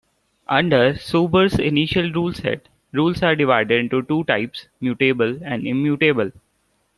Under Suber's initial ruleset, rules are divided into two types: mutable and immutable.